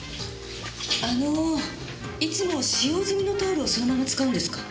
あのいつも使用済みのタオルをそのまま使うんですか？